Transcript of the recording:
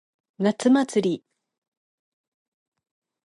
夏祭り。